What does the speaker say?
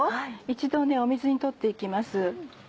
一度水にとって行きます。